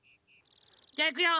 じゃあいくよ。